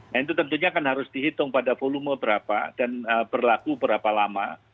nah itu tentunya kan harus dihitung pada volume berapa dan berlaku berapa lama